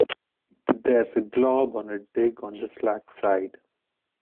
There's a Glob on a dig on the slack side.